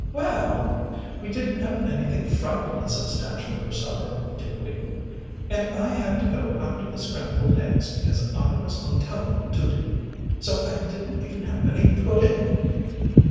"Well, we didn't have anything frightfully substantial for supper, did we? and I had to go after the scrambled eggs, because I was on telephone duty. So I didn't even have any pudding."